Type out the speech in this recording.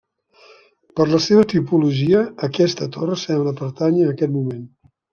Per la seva tipologia aquesta torre sembla pertànyer a aquest moment.